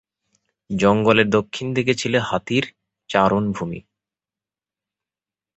জঙ্গলের দক্ষিণ দিকে ছিল হাতির চারণভূমি।